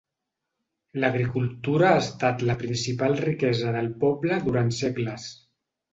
L'agricultura ha estat la principal riquesa del poble durant segles.